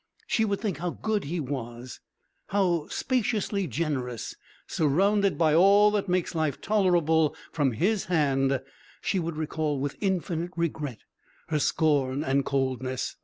She would think how good he was, how spaciously generous; surrounded by all that makes life tolerable from his hand, she would recall with infinite regret her scorn and coldness.